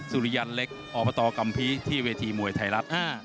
สุริยันเล็กอบตกัมภีร์ที่เวทีมวยไทยรัฐ